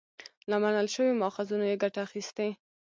له منل شويو ماخذونو يې ګټه اخستې